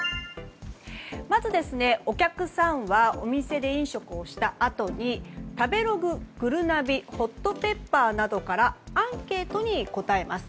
まず、お客さんはお店で飲食をしたあとに食べログ、ぐるなびホットペッパーなどからアンケートに答えます。